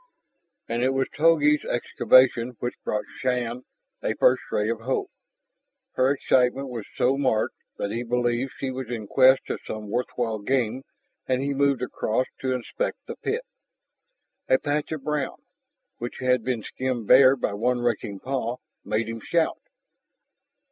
And it was Togi's excavation which brought Shann a first ray of hope. Her excitement was so marked that he believed she was in quest of some worthwhile game and he moved across to inspect the pit. A patch of brown, which had been skimmed bare by one raking paw, made him shout.